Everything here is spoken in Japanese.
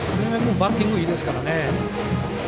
バッティングいいですからね。